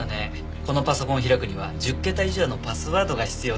このパソコンを開くには１０桁以上のパスワードが必要です。